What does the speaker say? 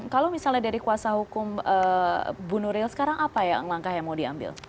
kalau misalnya dari kuhp bunuril sekarang apa ya langkah yang mau diambil